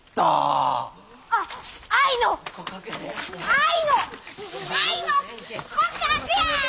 愛の愛の告白や！